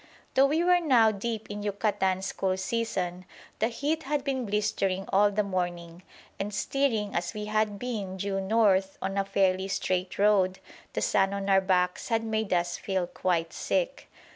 Though we were now deep in Yucatan's cool season, the heat had been blistering all the morning, and, steering as we had been due north on a fairly straight road, the sun on our backs had made us feel quite sick.